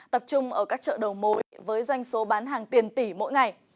tập trung ở các chợ đầu mối với doanh số bán hàng tiền tỷ mỗi ngày